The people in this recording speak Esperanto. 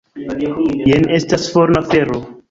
Jen estas forna fero!